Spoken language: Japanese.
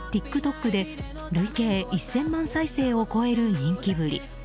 ＴｉｋＴｏｋで累計１０００万再生を超える人気ぶり。